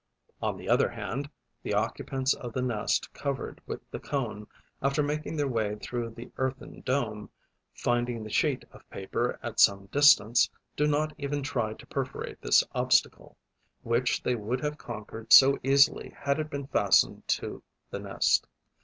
On the other hand, the occupants of the nest covered with the cone, after making their way through the earthen dome, finding the sheet of paper at some distance, do not even try to perforate this obstacle, which they would have conquered so easily had it been fastened to the nest.